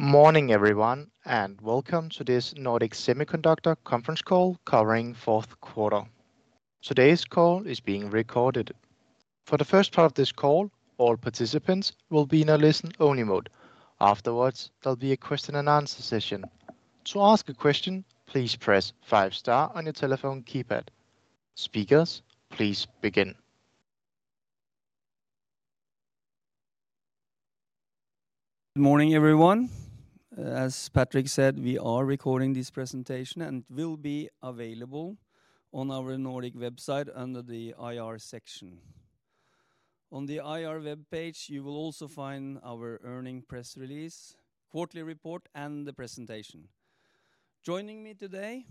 Morning everyone, and welcome to this Nordic Semiconductor conference call covering fourth quarter. Today's call is being recorded. For the first part of this call, all participants will be in a listen-only mode. Afterwards, there'll be a question and answer session. To ask a question, please press five star on your telephone keypad. Speakers, please begin. Good morning, everyone. As Patrick said, we are recording this presentation, and it will be available on our Nordic website under the IR section. On the IR webpage, you will also find our earnings press release, quarterly report, and the presentation. Joining me today,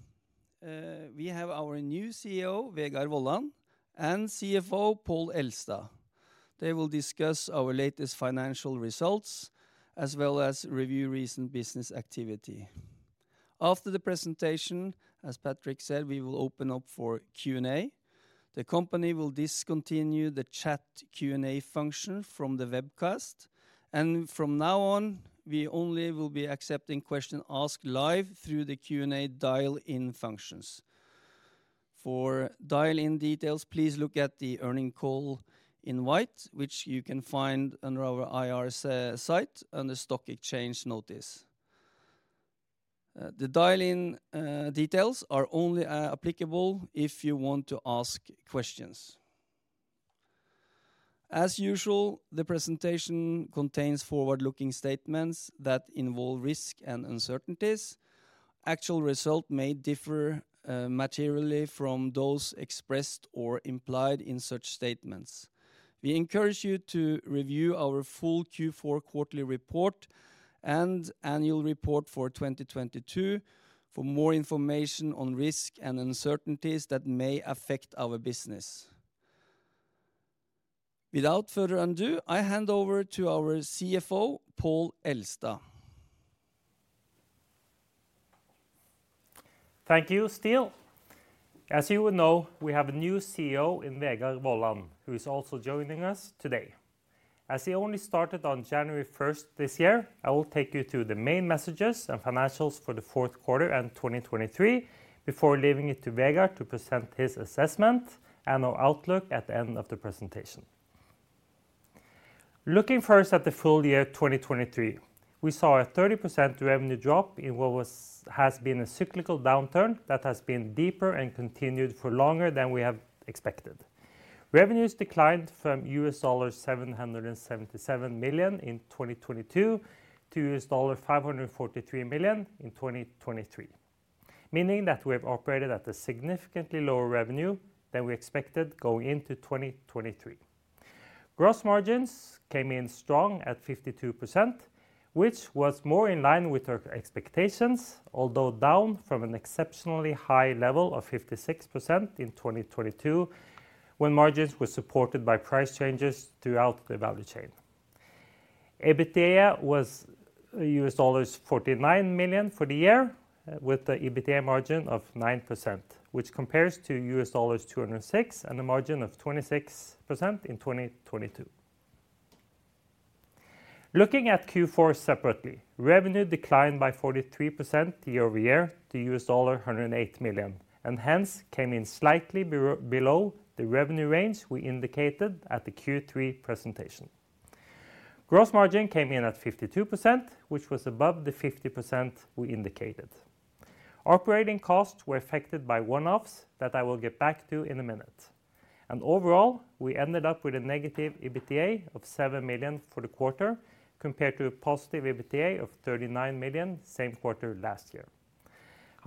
we have our new CEO, Vegard Wollan, and CFO, Pål Elstad. They will discuss our latest financial results, as well as review recent business activity. After the presentation, as Patrick said, we will open up for Q&A. The company will discontinue the chat Q&A function from the webcast, and from now on, we only will be accepting questions asked live through the Q&A dial-in functions. For dial-in details, please look at the earnings call invite, which you can find under our IR site, under the stock exchange notice. The dial-in details are only applicable if you want to ask questions. As usual, the presentation contains forward-looking statements that involve risk and uncertainties. Actual result may differ materially from those expressed or implied in such statements. We encourage you to review our full Q4 quarterly report and annual report for 2022 for more information on risk and uncertainties that may affect our business. Without further ado, I hand over to our CFO, Pål Elstad. Thank you, Ståle. As you would know, we have a new CEO in Vegard Wollan, who is also joining us today. As he only started on January first this year, I will take you through the main messages and financials for the fourth quarter and 2023 before leaving it to Vegard to present his assessment and our outlook at the end of the presentation. Looking first at the full year 2023, we saw a 30% revenue drop in what has been a cyclical downturn that has been deeper and continued for longer than we have expected. Revenues declined from $777 million in 2022, to $543 million in 2023, meaning that we have operated at a significantly lower revenue than we expected going into 2023. Gross margins came in strong at 52%, which was more in line with our expectations, although down from an exceptionally high level of 56% in 2022, when margins were supported by price changes throughout the value chain. EBITDA was $49 million for the year, with the EBITDA margin of 9%, which compares to $206 million and a margin of 26% in 2022. Looking at Q4 separately, revenue declined by 43% year-over-year to $108 million, and hence came in slightly below the revenue range we indicated at the Q3 presentation. Gross margin came in at 52%, which was above the 50% we indicated. Operating costs were affected by one-offs that I will get back to in a minute. Overall, we ended up with a negative EBITDA of 7 million for the quarter, compared to a positive EBITDA of 39 million, same quarter last year.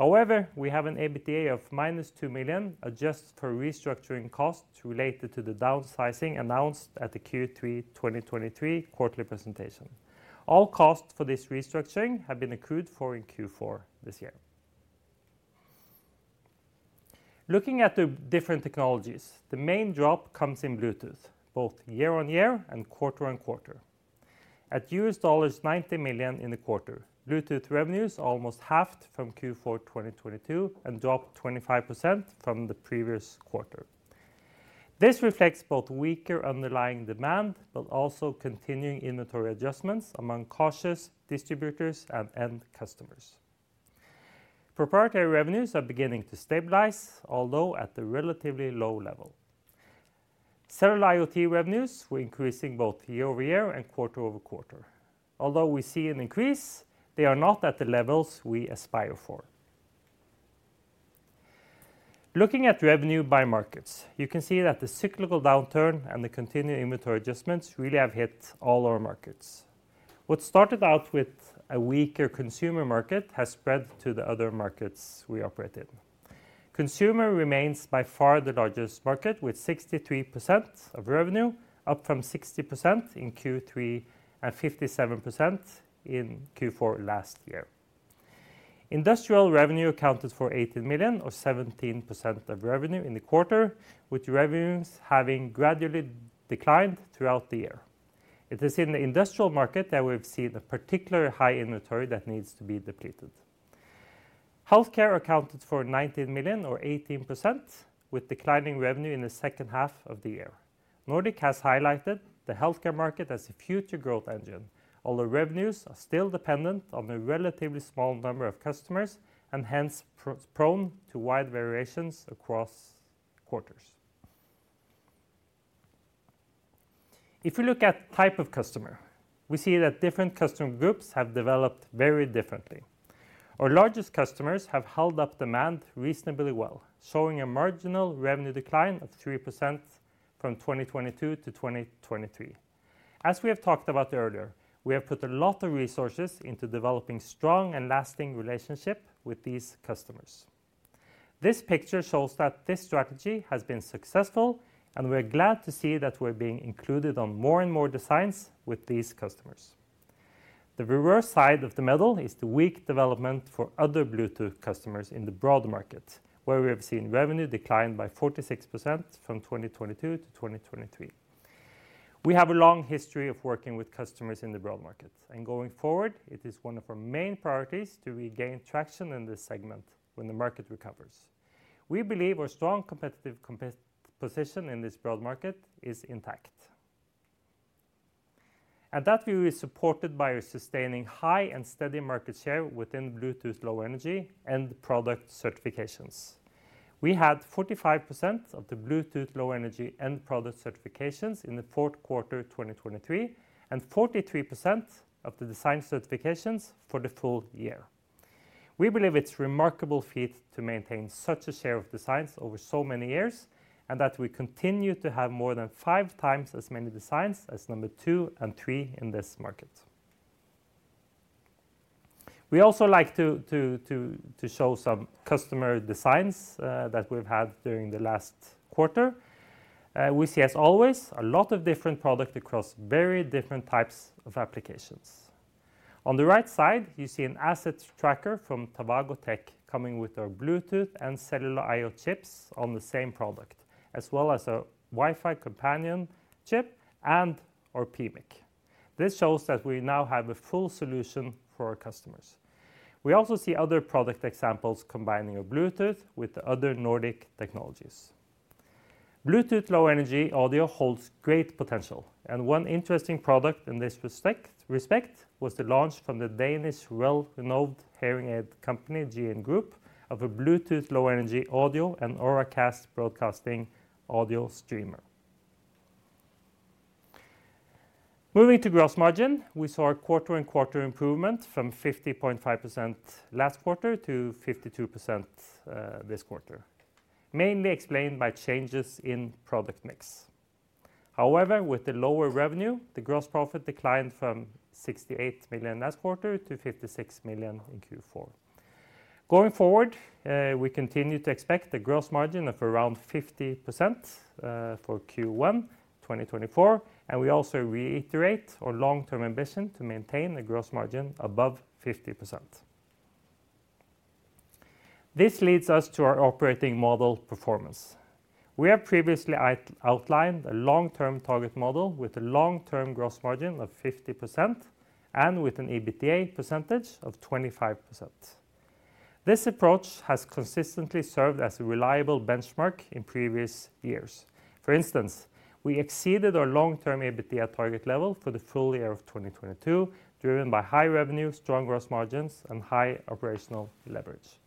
However, we have an EBITDA of -2 million, adjusted for restructuring costs related to the downsizing announced at the Q3 2023 quarterly presentation. All costs for this restructuring have been accrued for in Q4 this year. Looking at the different technologies, the main drop comes in Bluetooth, both year-over-year and quarter-over-quarter. At $90 million in the quarter, Bluetooth revenues almost halved from Q4 2022 and dropped 25% from the previous quarter. This reflects both weaker underlying demand but also continuing inventory adjustments among cautious distributors and end customers. Proprietary revenues are beginning to stabilize, although at the relatively low level. Cellular IoT revenues were increasing both year-over-year and quarter-over-quarter. Although we see an increase, they are not at the levels we aspire for. Looking at revenue by markets, you can see that the cyclical downturn and the continued inventory adjustments really have hit all our markets. What started out with a weaker consumer market has spread to the other markets we operate in. Consumer remains by far the largest market, with 63% of revenue, up from 60% in Q3 and 57% in Q4 last year. Industrial revenue accounted for 18 million or 17% of revenue in the quarter, with revenues having gradually declined throughout the year. It is in the industrial market that we've seen a particular high inventory that needs to be depleted. Healthcare accounted for 19 million or 18%, with declining revenue in the second half of the year. Nordic has highlighted the healthcare market as a future growth engine, although revenues are still dependent on a relatively small number of customers and hence prone to wide variations across quarters. If you look at type of customer, we see that different customer groups have developed very differently. Our largest customers have held up demand reasonably well, showing a marginal revenue decline of 3% from 2022 to 2023. As we have talked about earlier, we have put a lot of resources into developing strong and lasting relationship with these customers. This picture shows that this strategy has been successful, and we're glad to see that we're being included on more and more designs with these customers. The reverse side of the medal is the weak development for other Bluetooth customers in the broad market, where we have seen revenue decline by 46% from 2022 to 2023. We have a long history of working with customers in the broad market, and going forward, it is one of our main priorities to regain traction in this segment when the market recovers. We believe our strong competitive position in this broad market is intact. That view is supported by our sustaining high and steady market share within Bluetooth Low Energy end product certifications. We had 45% of the Bluetooth Low Energy end product certifications in the fourth quarter of 2023, and 43% of the design certifications for the full year. We believe it's a remarkable feat to maintain such a share of designs over so many years, and that we continue to have more than five times as many designs as number two and three in this market. We also like to show some customer designs that we've had during the last quarter. We see, as always, a lot of different products across very different types of applications. On the right side, you see an asset tracker from Divako with our Bluetooth and cellular IoT chips on the same product, as well as a Wi-Fi companion chip and our PMIC. This shows that we now have a full solution for our customers. We also see other product examples combining Bluetooth with the other Nordic technologies. Bluetooth Low Energy audio holds great potential, and one interesting product in this respect was the launch from the Danish well-renowned hearing aid company, GN Group, of a Bluetooth Low Energy audio and Auracast broadcasting audio streamer. Moving to gross margin, we saw a quarter and quarter improvement from 50.5% last quarter to 52% this quarter, mainly explained by changes in product mix. However, with the lower revenue, the gross profit declined from 68 million last quarter to 56 million in Q4. Going forward, we continue to expect a gross margin of around 50% for Q1 2024, and we also reiterate our long-term ambition to maintain a gross margin above 50%. This leads us to our operating model performance. We have previously outlined a long-term target model with a long-term gross margin of 50% and with an EBITDA percentage of 25%. This approach has consistently served as a reliable benchmark in previous years. For instance, we exceeded our long-term EBITDA target level for the full year of 2022, driven by high revenue, strong gross margins, and high operational leverage.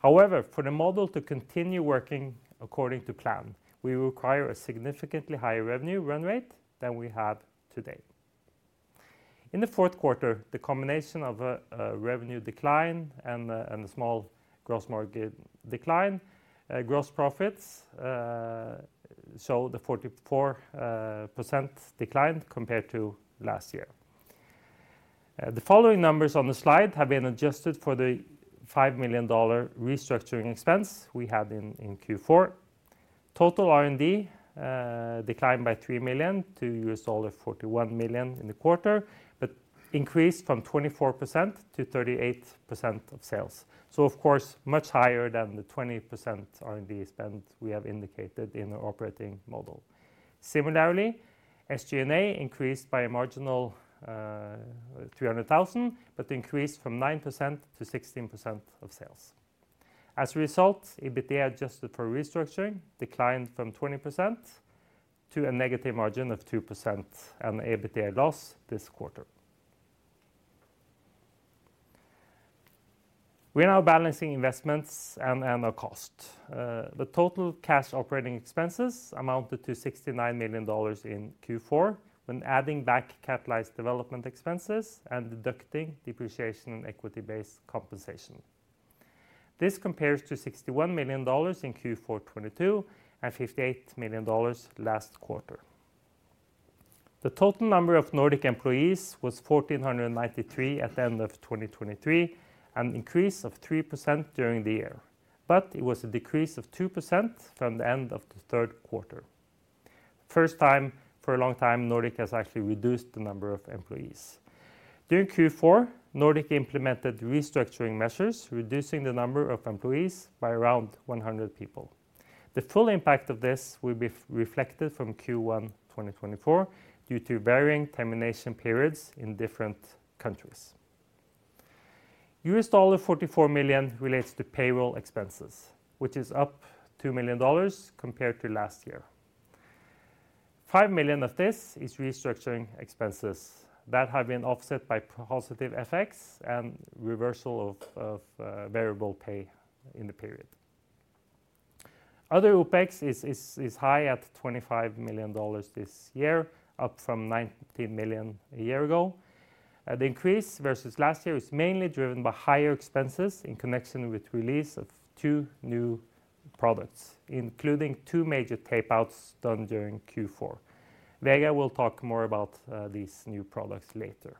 However, for the model to continue working according to plan, we require a significantly higher revenue run rate than we have today. In the fourth quarter, the combination of a revenue decline and the small gross margin decline, gross profits show the 44% decline compared to last year. The following numbers on the slide have been adjusted for the $5 million restructuring expense we had in Q4. Total R&D declined by $3 million to $41 million in the quarter, but increased from 24% to 38% of sales. So of course, much higher than the 20% R&D spend we have indicated in the operating model. Similarly, SG&A increased by a marginal $300,000, but increased from 9% to 16% of sales. As a result, EBITDA adjusted for restructuring declined from 20% to a negative margin of 2% and EBITDA loss this quarter. We are now balancing investments and our cost. The total cash operating expenses amounted to $69 million in Q4 when adding back capitalized development expenses and deducting depreciation and equity-based compensation. This compares to $61 million in Q4 2022 and $58 million last quarter. The total number of Nordic employees was 1,493 at the end of 2023, an increase of 3% during the year, but it was a decrease of 2% from the end of the third quarter. First time for a long time, Nordic has actually reduced the number of employees. During Q4, Nordic implemented restructuring measures, reducing the number of employees by around 100 people. The full impact of this will be reflected from Q1 2024 due to varying termination periods in different countries. $44 million relates to payroll expenses, which is up $2 million compared to last year. $5 million of this is restructuring expenses that have been offset by positive effects and reversal of variable pay in the period. Other OPEX is high at $25 million this year, up from $19 million a year ago. The increase versus last year is mainly driven by higher expenses in connection with release of two new products, including two major tapeouts done during Q4. Vegard will talk more about these new products later.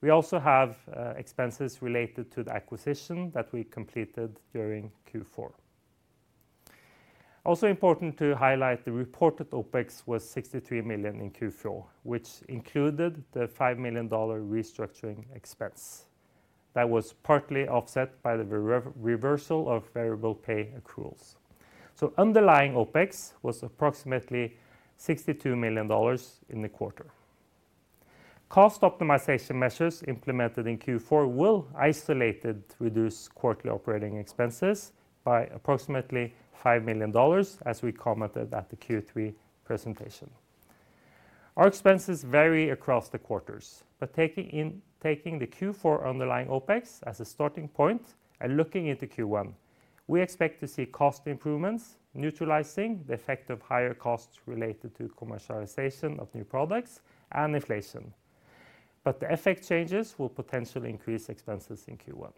We also have expenses related to the acquisition that we completed during Q4. Also important to highlight, the reported OPEX was $63 million in Q4, which included the $5 million restructuring expense. That was partly offset by the reversal of variable pay accruals. So underlying OPEX was approximately $62 million in the quarter. Cost optimization measures implemented in Q4 will isolated reduce quarterly operating expenses by approximately $5 million, as we commented at the Q3 presentation. Our expenses vary across the quarters, but taking the Q4 underlying OpEx as a starting point and looking into Q1, we expect to see cost improvements, neutralizing the effect of higher costs related to commercialization of new products and inflation. But the effect changes will potentially increase expenses in Q1.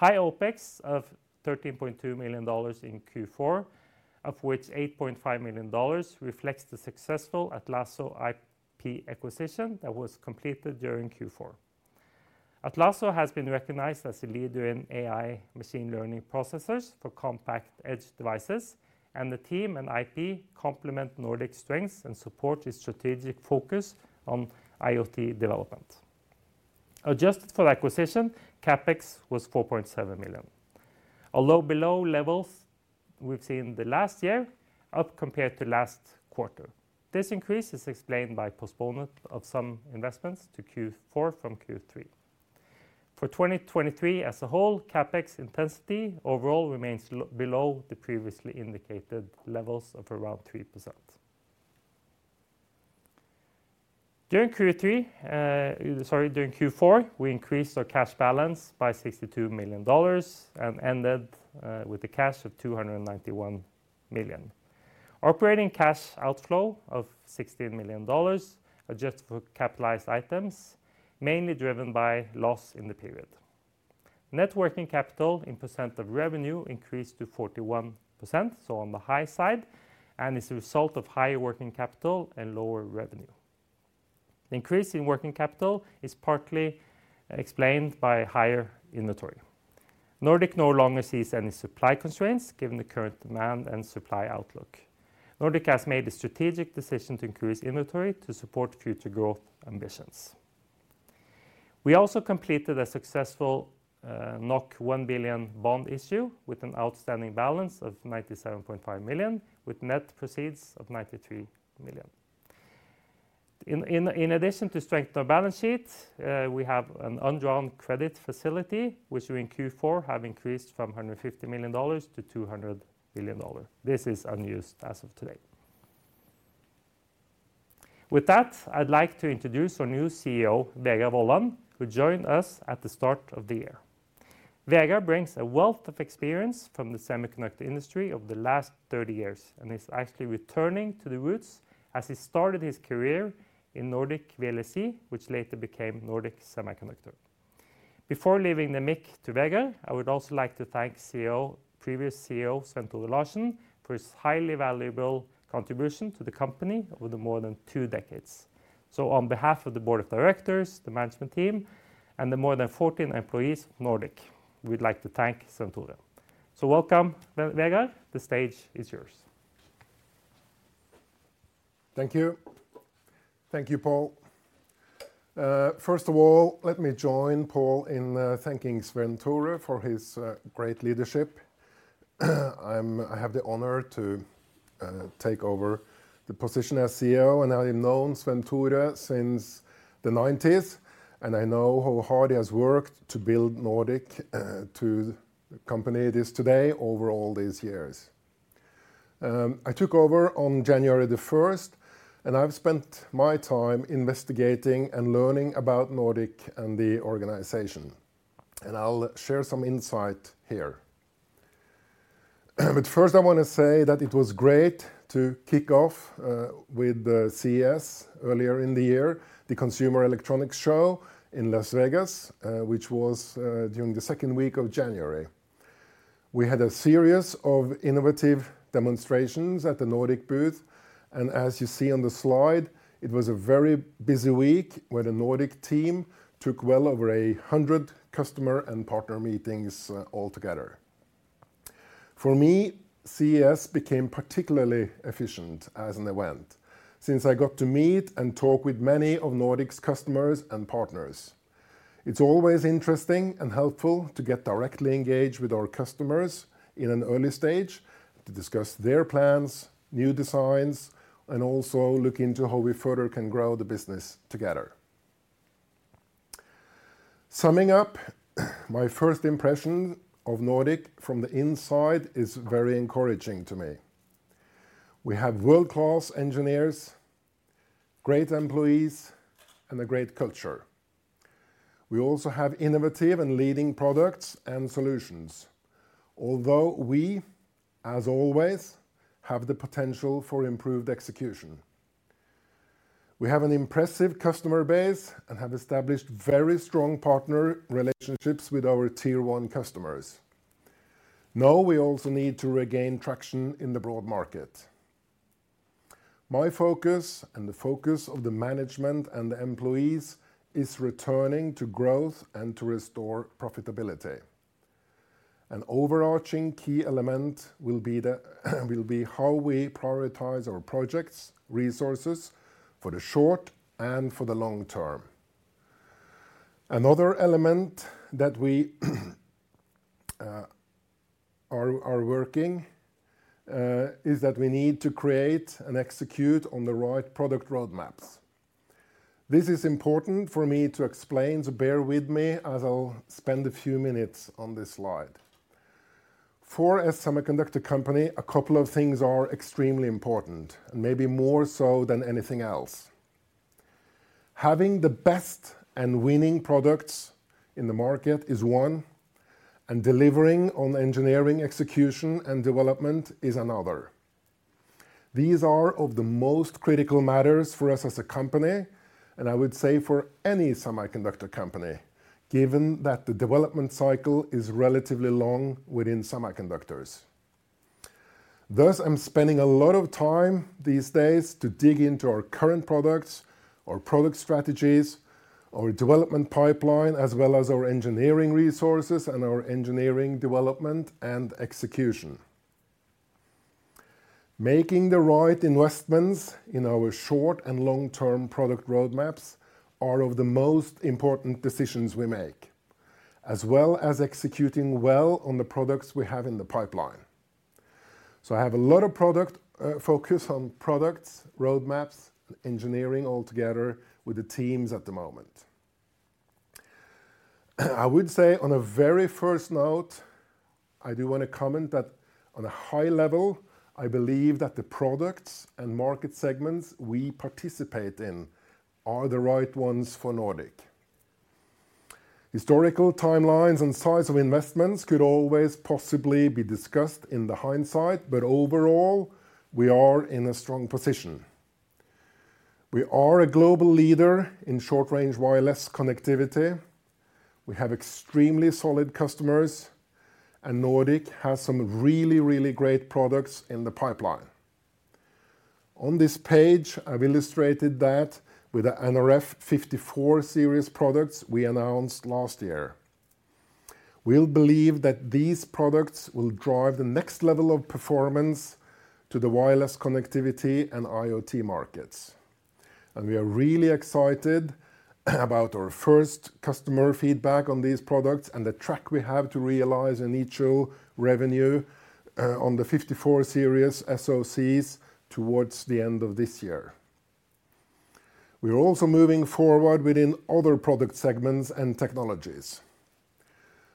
High OpEx of $13.2 million in Q4, of which $8.5 million reflects the successful Atlazo IP acquisition that was completed during Q4. Atlazo has been recognized as a leader in AI machine learning processors for compact edge devices, and the team and IP complement Nordic's strengths and support its strategic focus on IoT development. Adjusted for acquisition, CapEx was $4.7 million. Although below levels we've seen in the last year, up compared to last quarter, this increase is explained by postponement of some investments to Q4 from Q3. For 2023 as a whole, CapEx intensity overall remains below the previously indicated levels of around 3%. During Q3, sorry, during Q4, we increased our cash balance by $62 million and ended with a cash of $291 million. Operating cash outflow of $16 million, adjusted for capitalized items, mainly driven by loss in the period. Net working capital in percent of revenue increased to 41%, so on the high side, and is a result of higher working capital and lower revenue. The increase in working capital is partly explained by higher inventory. Nordic no longer sees any supply constraints, given the current demand and supply outlook. Nordic has made a strategic decision to increase inventory to support future growth ambitions. We also completed a successful 1 billion bond issue with an outstanding balance of 97.5 million, with net proceeds of 93 million. In addition to strengthen our balance sheet, we have an undrawn credit facility, which in Q4 have increased from $150 million to $200 million. This is unused as of today. With that, I'd like to introduce our new CEO, Vegard Wollan, who joined us at the start of the year. Vegard brings a wealth of experience from the semiconductor industry over the last 30 years and is actually returning to the roots as he started his career in Nordic VLSI, which later became Nordic Semiconductor. Before leaving the mic to Vegard, I would also like to thank CEO, previous CEO, Svenn-Tore Larsen, for his highly valuable contribution to the company over the more than 2 decades. On behalf of the board of directors, the management team, and the more than 14 employees of Nordic, we'd like to thank Svenn-Tore. Welcome, Vegard. The stage is yours. Thank you. Thank you, Pål. First of all, let me join Pål in thanking Svenn-Tore Larsen for his great leadership. I have the honor to take over the position as CEO, and I've known Svenn-Tore Larsen since the nineties, and I know how hard he has worked to build Nordic to the company it is today over all these years. I took over on January the first, and I've spent my time investigating and learning about Nordic and the organization, and I'll share some insight here. But first, I want to say that it was great to kick off with the CES earlier in the year, the Consumer Electronics Show in Las Vegas, which was during the second week of January. We had a series of innovative demonstrations at the Nordic booth, and as you see on the slide, it was a very busy week where the Nordic team took well over 100 customer and partner meetings altogether. For me, CES became particularly efficient as an event, since I got to meet and talk with many of Nordic's customers and partners. It's always interesting and helpful to get directly engaged with our customers in an early stage, to discuss their plans, new designs, and also look into how we further can grow the business together. Summing up, my first impression of Nordic from the inside is very encouraging to me. We have world-class engineers, great employees, and a great culture. We also have innovative and leading products and solutions, although we, as always, have the potential for improved execution. We have an impressive customer base and have established very strong partner relationships with our Tier 1 customers. Now, we also need to regain traction in the broad market. My focus, and the focus of the management and the employees, is returning to growth and to restore profitability. An overarching key element will be how we prioritize our projects, resources, for the short and for the long term. Another element that we are working is that we need to create and execute on the right product roadmaps. This is important for me to explain, so bear with me, as I'll spend a few minutes on this slide. For a semiconductor company, a couple of things are extremely important, and maybe more so than anything else. Having the best and winning products in the market is one, and delivering on engineering execution and development is another. These are of the most critical matters for us as a company, and I would say for any semiconductor company, given that the development cycle is relatively long within semiconductors. Thus, I'm spending a lot of time these days to dig into our current products, our product strategies, our development pipeline, as well as our engineering resources and our engineering development and execution. Making the right investments in our short and long-term product roadmaps are of the most important decisions we make, as well as executing well on the products we have in the pipeline. So I have a lot of product, focus on products, roadmaps, engineering all together with the teams at the moment. I would say on a very first note, I do wanna comment that on a high level, I believe that the products and market segments we participate in are the right ones for Nordic. Historical timelines and size of investments could always possibly be discussed in the hindsight, but overall, we are in a strong position. We are a global leader in short-range wireless connectivity, we have extremely solid customers, and Nordic has some really, really great products in the pipeline. On this page, I've illustrated that with the nRF54 Series products we announced last year. We believe that these products will drive the next level of performance to the wireless connectivity and IoT markets, and we are really excited about our first customer feedback on these products, and the track we have to realize initial revenue on the nRF54 Series SoCs towards the end of this year. We are also moving forward within other product segments and technologies.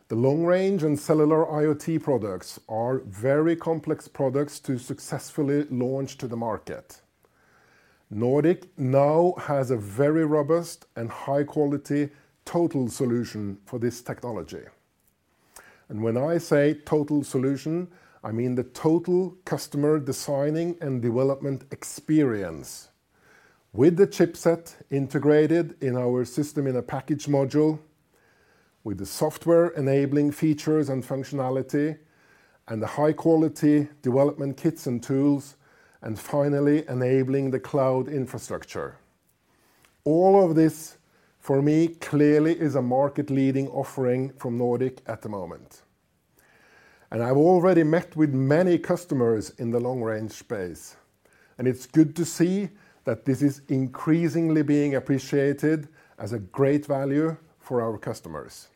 The long-range and cellular IoT products are very complex products to successfully launch to the market. Nordic now has a very robust and high-quality total solution for this technology. And when I say total solution, I mean the total customer designing and development experience, with the chipset integrated in our system-in-package module, with the software-enabling features and functionality, and the high-quality development kits and tools, and finally, enabling the cloud infrastructure. All of this, for me, clearly is a market-leading offering from Nordic at the moment, and I've already met with many customers in the long-range space, and it's good to see that this is increasingly being appreciated as a great value for our customers.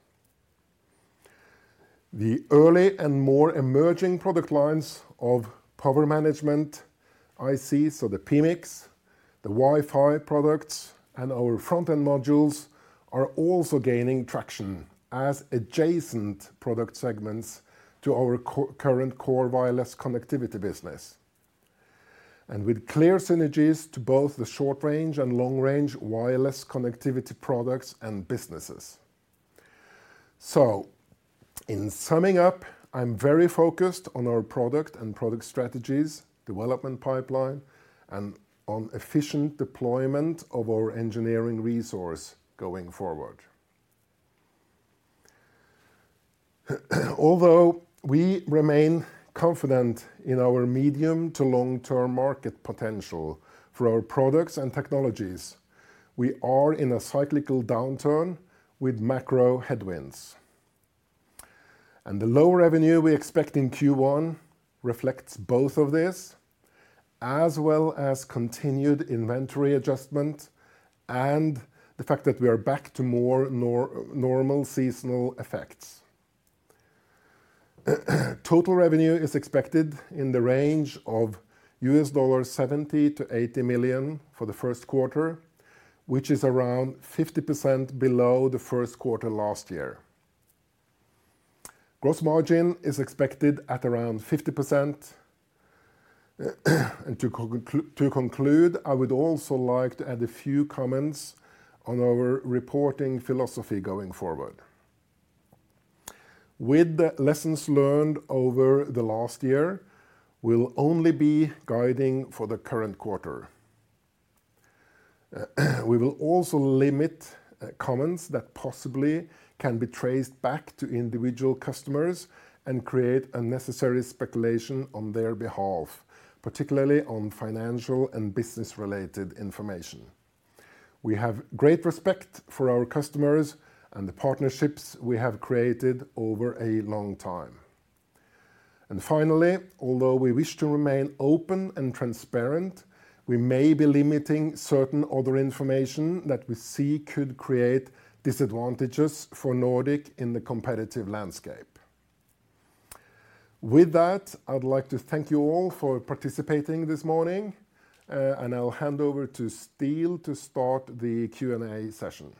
The early and more emerging product lines of power management IC, so the PMICs, the Wi-Fi products, and our front-end modules, are also gaining traction as adjacent product segments to our current core wireless connectivity business, and with clear synergies to both the short-range and long-range wireless connectivity products and businesses. So in summing up, I'm very focused on our product and product strategies, development pipeline, and on efficient deployment of our engineering resource going forward. Although we remain confident in our medium to long-term market potential for our products and technologies, we are in a cyclical downturn with macro headwinds. And the low revenue we expect in Q1 reflects both of this, as well as continued inventory adjustment and the fact that we are back to more normal seasonal effects. Total revenue is expected in the range of $70 million-$80 million for the first quarter, which is around 50% below the first quarter last year. Gross margin is expected at around 50%. And to conclude, I would also like to add a few comments on our reporting philosophy going forward. With the lessons learned over the last year, we'll only be guiding for the current quarter. We will also limit comments that possibly can be traced back to individual customers and create unnecessary speculation on their behalf, particularly on financial and business-related information. We have great respect for our customers and the partnerships we have created over a long time. And finally, although we wish to remain open and transparent, we may be limiting certain other information that we see could create disadvantages for Nordic in the competitive landscape. With that, I'd like to thank you all for participating this morning, and I'll hand over to Stale to start the Q&A session.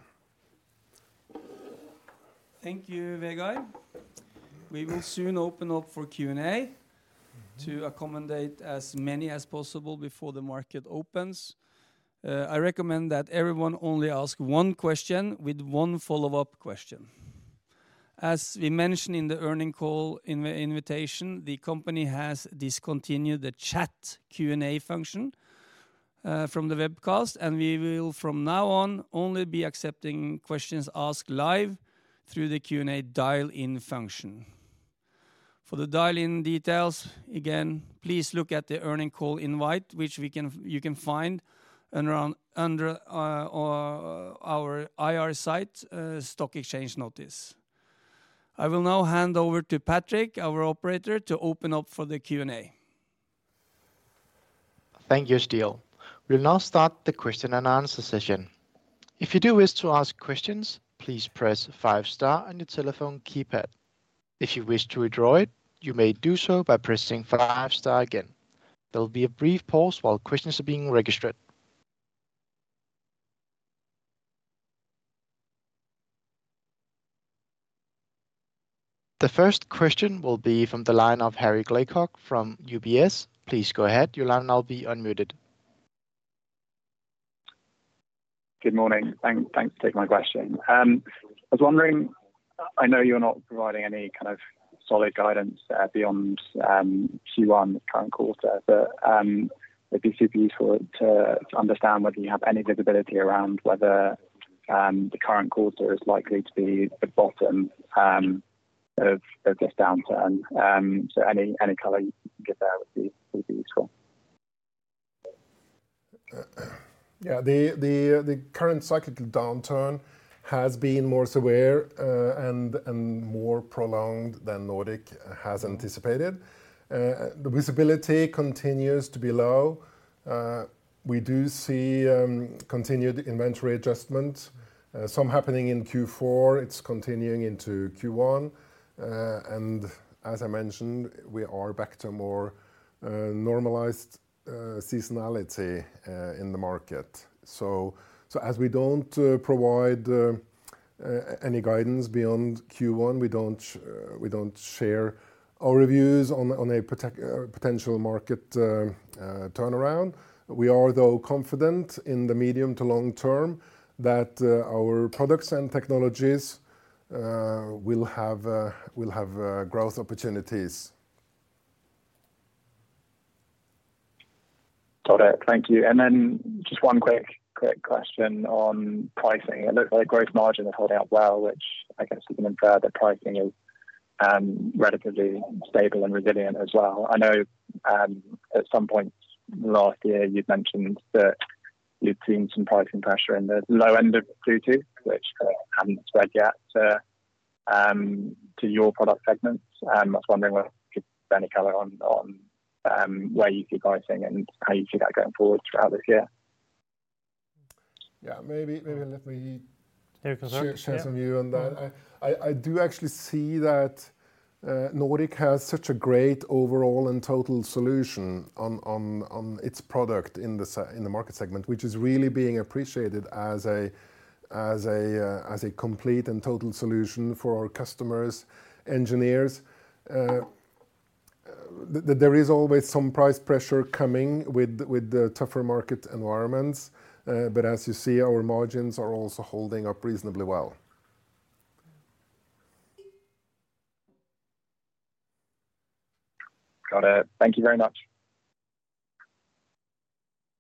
Thank you, Vegard. We will soon open up for Q&A to accommodate as many as possible before the market opens. I recommend that everyone only ask one question with one follow-up question. As we mentioned in the earnings call invitation, the company has discontinued the chat Q&A function from the webcast, and we will, from now on, only be accepting questions asked live through the Q&A dial-in function. For the dial-in details, again, please look at the earnings call invite, which you can find under our IR site, stock exchange notice. I will now hand over to Patrick, our operator, to open up for the Q&A. Thank you, Stale. We'll now start the question and answer session. If you do wish to ask questions, please press five star on your telephone keypad. If you wish to withdraw it, you may do so by pressing five star again. There will be a brief pause while questions are being registered. The first question will be from the line of Harry Blaiklock from UBS. Please go ahead. Your line now will be unmuted. Good morning. Thanks for taking my question. I was wondering, I know you're not providing any kind of solid guidance beyond Q1, the current quarter, but it'd be super useful to understand whether you have any visibility around whether the current quarter is likely to be the bottom of this downturn. So any color you can give there would be useful. Yeah, the current cyclical downturn has been more severe, and more prolonged than Nordic has anticipated. The visibility continues to be low. We do see continued inventory adjustment, some happening in Q4. It's continuing into Q1. And as I mentioned, we are back to more normalized seasonality in the market. So as we don't provide any guidance beyond Q1, we don't share our views on a potential market turnaround. We are, though, confident in the medium to long term that our products and technologies will have growth opportunities. Got it. Thank you. And then just one quick, quick question on pricing. It looks like gross margin is holding up well, which I guess we can infer that pricing is relatively stable and resilient as well. I know at some point last year, you'd mentioned that you'd seen some pricing pressure in the low end of Bluetooth, which hadn't spread yet to your product segments. I was wondering whether you could give any color on where you see pricing and how you see that going forward throughout this year? Yeah, maybe let me- Yeah, because, share, share some view on that. Sure. I do actually see that Nordic has such a great overall and total solution on its product in the market segment, which is really being appreciated as a complete and total solution for our customers, engineers. There is always some price pressure coming with the tougher market environments, but as you see, our margins are also holding up reasonably well. Got it. Thank you very much.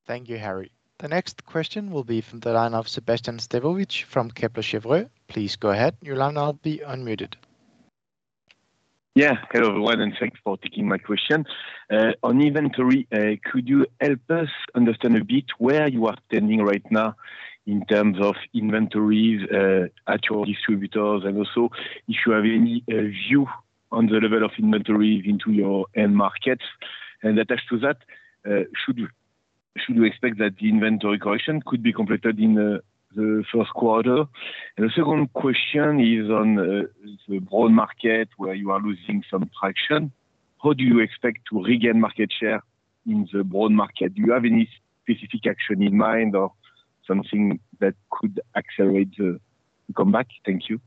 Thank you, Harry. The next question will be from the line of Sébastien Sztabowicz from Kepler Cheuvreux. Please go ahead. Your line now will be unmuted. ... Yeah. Hello, everyone, and thanks for taking my question. On inventory, could you help us understand a bit where you are standing right now in terms of inventories at your distributors? And also, if you have any view on the level of inventory into your end markets. And attached to that, should we expect that the inventory correction could be completed in the first quarter? And the second question is on the broad market, where you are losing some traction. How do you expect to regain market share in the broad market? Do you have any specific action in mind or something that could accelerate the comeback? Thank you.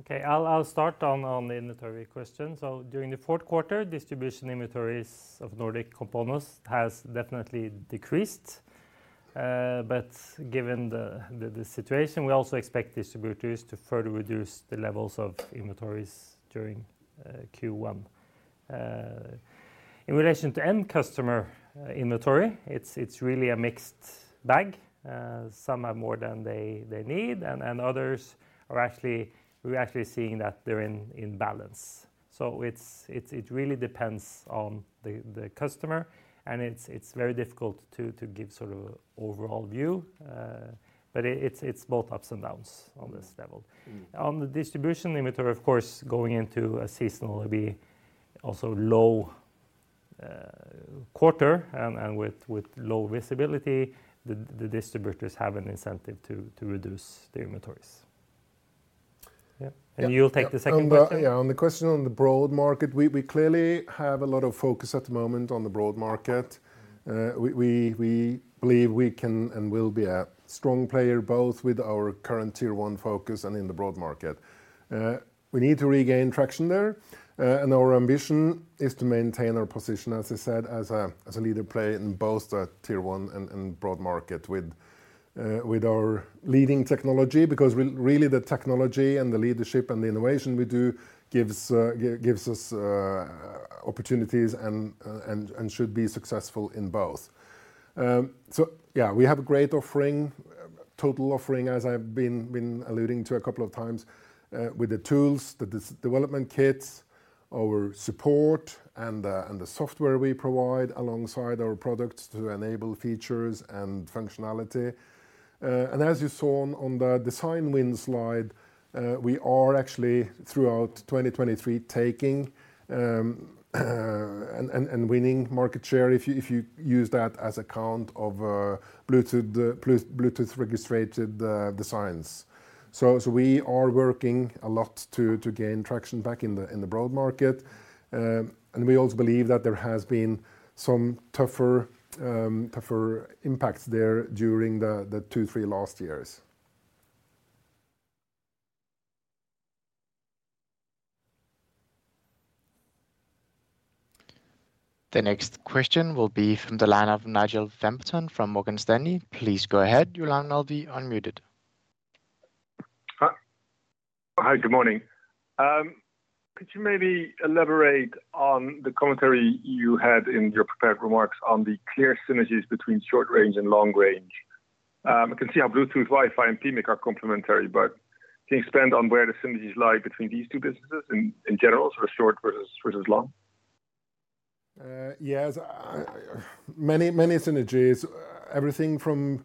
Okay, I'll start on the inventory question. So during the fourth quarter, distribution inventories of Nordic Components has definitely decreased. But given the situation, we also expect distributors to further reduce the levels of inventories during Q1. In relation to end customer inventory, it's really a mixed bag. Some have more than they need, and others are actually-- we're actually seeing that they're in balance. So it really depends on the customer, and it's very difficult to give sort of overall view. But it's both ups and downs on this level. On the distribution inventory, of course, going into a seasonally weak also low quarter, and with low visibility, the distributors have an incentive to reduce the inventories. Yeah. And you'll take the second question? Yeah. On the question on the broad market, we clearly have a lot of focus at the moment on the broad market. We believe we can and will be a strong player, both with our current Tier 1 focus and in the broad market. We need to regain traction there, and our ambition is to maintain our position, as I said, as a leader player in both the Tier 1 and broad market with our leading technology. Because really, the technology and the leadership and the innovation we do gives us opportunities and should be successful in both. So yeah, we have a great offering, total offering, as I've been alluding to a couple of times, with the tools, the development kits, our support and the software we provide, alongside our products to enable features and functionality. And as you saw on the design win slide, we are actually, throughout 2023, taking and winning market share, if you use that as a count of Bluetooth-registered designs. So we are working a lot to gain traction back in the broad market. And we also believe that there has been some tougher impacts there during the last 2-3 years. The next question will be from the line of Nigel van Putten, from Morgan Stanley. Please go ahead. Your line will now be unmuted. Hi. Hi, good morning. Could you maybe elaborate on the commentary you had in your prepared remarks on the clear synergies between short range and long range? I can see how Bluetooth, Wi-Fi, and PMIC are complementary, but can you expand on where the synergies lie between these two businesses in, in general, so short versus, versus long? Yes, many, many synergies. Everything from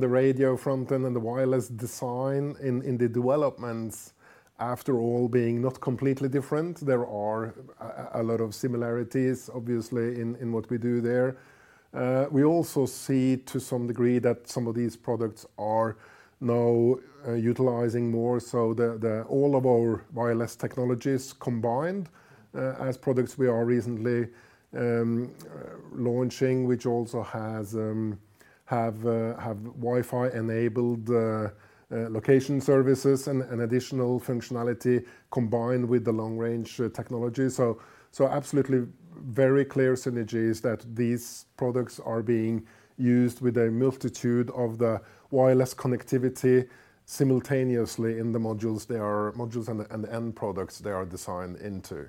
the radio front end and the wireless design in the developments, after all, being not completely different. There are a lot of similarities, obviously, in what we do there. We also see, to some degree, that some of these products are now utilizing more, so all of our wireless technologies combined, as products we are recently launching, which also has Wi-Fi-enabled location services and additional functionality combined with the long-range technology. So absolutely very clear synergies that these products are being used with a multitude of the wireless connectivity simultaneously in the modules. They are modules and the end products they are designed into.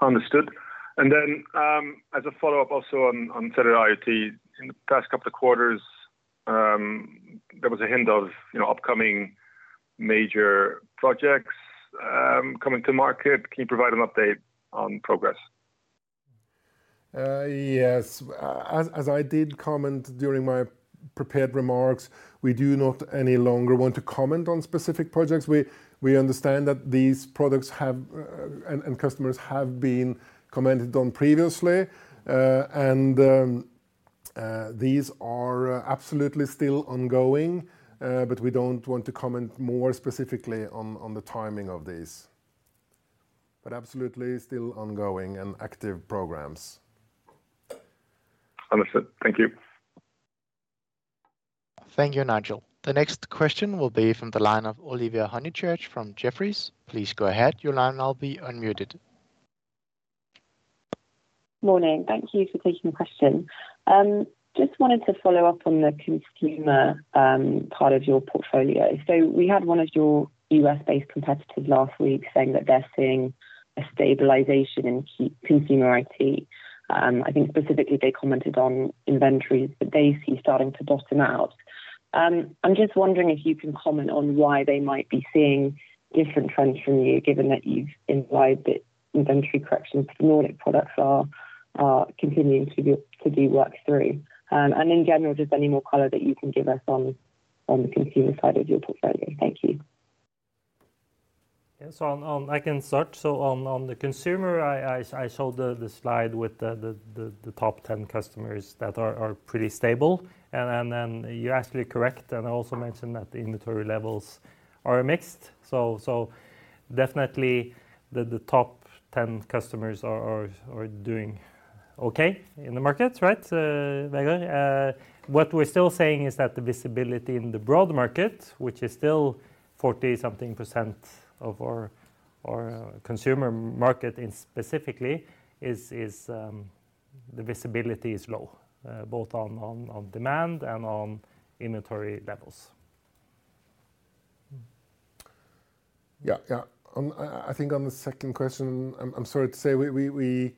Understood. As a follow-up, also on cellular IoT, in the past couple of quarters, there was a hint of, you know, upcoming major projects, coming to market. Can you provide an update on progress? Yes. As I did comment during my prepared remarks, we do not any longer want to comment on specific projects. We understand that these products and customers have been commented on previously, these are absolutely still ongoing, but we don't want to comment more specifically on the timing of these. But absolutely still ongoing and active programs. Understood. Thank you. Thank you, Nigel. The next question will be from the line of Olivia Honychurch from Jefferies. Please go ahead. Your line is now unmuted. Morning. Thank you for taking the question. Just wanted to follow up on the consumer part of your portfolio. So we had one of your U.S.-based competitors last week saying that they're seeing a stabilization in key consumer IoT. I think specifically they commented on inventories that they see starting to bottom out. I'm just wondering if you can comment on why they might be seeing different trends from you, given that you've implied that inventory corrections for Nordic products are continuing to be worked through. And in general, just any more color that you can give us on the consumer side of your portfolio? Thank you. Yeah. So on the consumer, I showed the top 10 customers that are pretty stable. And then you're actually correct, and I also mentioned that the inventory levels are mixed. So definitely the top 10 customers are doing okay in the markets, right, Vegard? What we're still saying is that the visibility in the broad market, which is still 40-something% of our consumer market specifically, the visibility is low, both on demand and on inventory levels. Yeah. Yeah. On the second question, I think, I'm sorry to say, we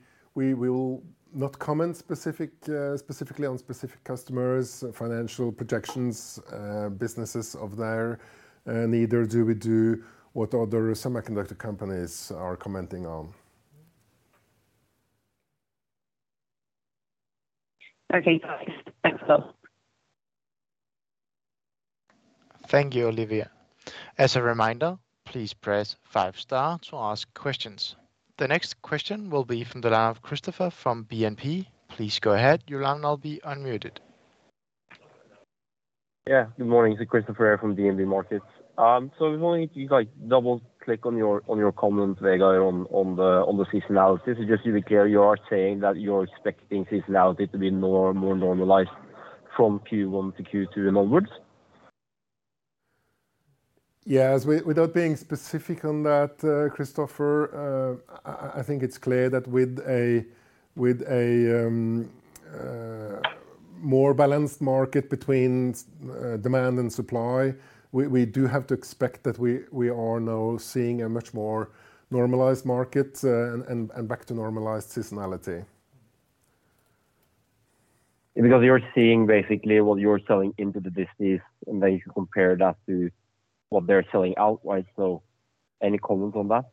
will not comment specifically on specific customers, financial projections, businesses of theirs, neither do we do what other semiconductor companies are commenting on. Okay, guys. Thanks a lot. Thank you, Olivia. As a reminder, please press five star to ask questions. The next question will be from the line of Christoffer from DNB Markets. Please go ahead. Your line will now be unmuted. Yeah. Good morning, it's Christoffer from DNB Markets. So I was wondering if you could, like, double-click on your comment, Vegard, on the seasonality. So just so we're clear, you are saying that you're expecting seasonality to be more normalized from Q1 to Q2 and onwards? Yes. Without being specific on that, Christoffer, I think it's clear that with a more balanced market between supply and demand, we do have to expect that we are now seeing a much more normalized market, and back to normalized seasonality. Because you're seeing basically what you're selling into the business, and then you compare that to what they're selling outright. So any comment on that?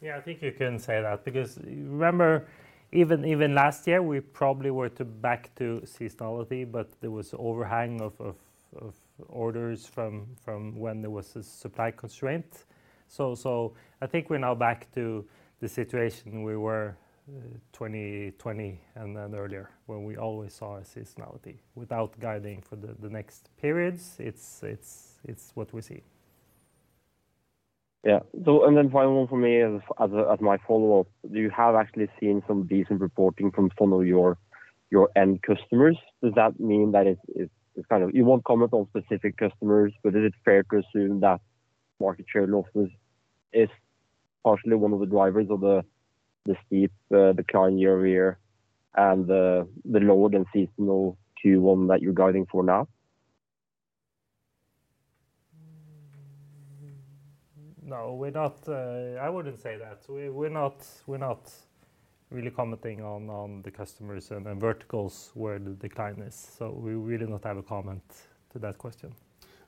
Yeah, I think you can say that, because remember, even last year, we probably were back to seasonality, but there was overhang of orders from when there was a supply constraint. So I think we're now back to the situation we were in 2020 and then earlier, when we always saw a seasonality. Without guiding for the next periods, it's what we see. Yeah. So, and then final one for me as, as a, as my follow-up: you have actually seen some decent reporting from some of your, your end customers. Does that mean that it's, it's kind of—you won't comment on specific customers, but is it fair to assume that market share losses is partially one of the drivers of the, the steep, decline year-over-year and the, the lower than seasonal Q1 that you're guiding for now? No, we're not. I wouldn't say that. We're not, we're not really commenting on the customers and verticals where the decline is, so we really not have a comment to that question.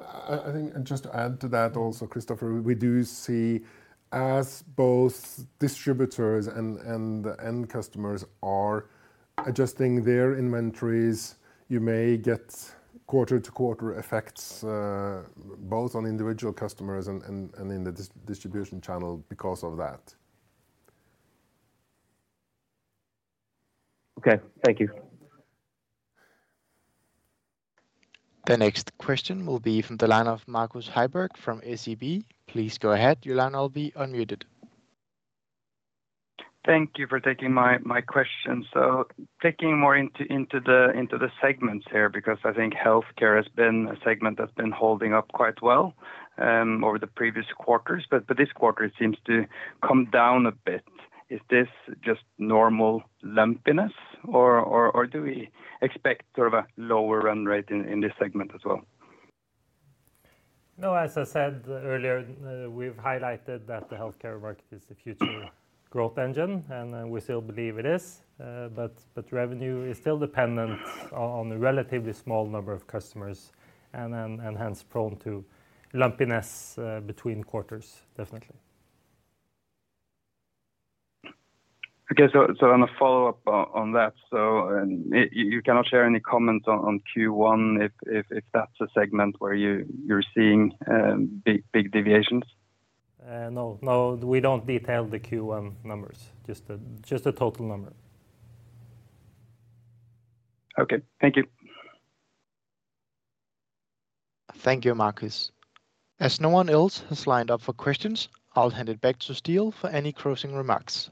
I think, and just to add to that also, Christoffer, we do see, as both distributors and the end customers are adjusting their inventories, you may get quarter-to-quarter effects, both on individual customers and in the distribution channel because of that. Okay. Thank you. The next question will be from the line of Markus Borge Heiberg from SEB. Please go ahead. Your line will be unmuted. Thank you for taking my question. So taking more into the segments here, because I think healthcare has been a segment that's been holding up quite well over the previous quarters, but this quarter it seems to come down a bit. Is this just normal lumpiness, or do we expect sort of a lower run rate in this segment as well? No, as I said earlier, we've highlighted that the healthcare market is the future growth engine, and we still believe it is. But revenue is still dependent on a relatively small number of customers and hence prone to lumpiness between quarters, definitely. Okay. So on a follow-up on that, you cannot share any comment on Q1, if that's a segment where you're seeing big deviations? No, no, we don't detail the Q1 numbers, just the total number. Okay. Thank you. Thank you, Markus. As no one else has lined up for questions, I'll hand it back to Stale for any closing remarks.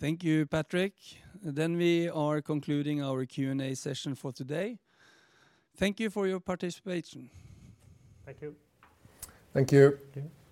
Thank you, Patrick. Then we are concluding our Q&A session for today. Thank you for your participation. Thank you. Thank you. Thank you.